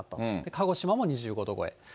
鹿児島も２５度超え。